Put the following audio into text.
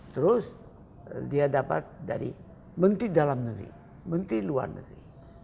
terus dia dapat dari menteri dalam negeri menteri luar negeri